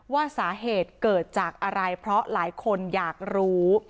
ว่าสาเหตุเกิดจากอะไรเพราะหลายคนอยากรู้